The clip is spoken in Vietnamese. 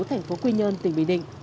thành phố quy nhơn tỉnh bình định